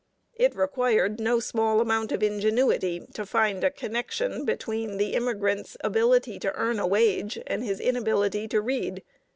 It required no small amount of ingenuity to find a connection between the immigrant's ability to earn a wage and his inability to read.